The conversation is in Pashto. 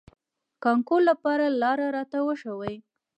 کانکور لپاره لار راته وښوئ.